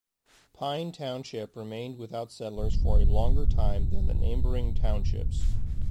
Pine Township remained without settlers for a longer time than the neighboring townships.